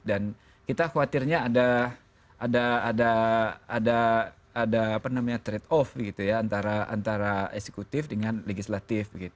dan kita khawatirnya ada trade off antara eksekutif dengan legislatif